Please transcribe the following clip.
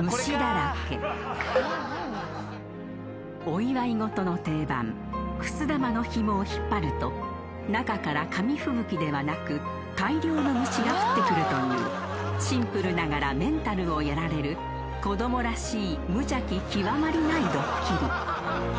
［お祝い事の定番くす玉のひもを引っ張ると中から紙吹雪ではなく大量の虫が降ってくるというシンプルながらメンタルをやられる子供らしい無邪気極まりないドッキリ］